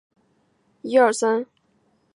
此效应最早是由空投的核爆被发现的。